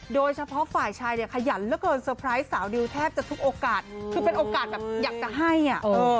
โดยเฉพาะฝ่ายชายเนี่ยขยันเหลือเกินเตอร์ไพรส์สาวดิวแทบจะทุกโอกาสคือเป็นโอกาสแบบอยากจะให้อ่ะเออ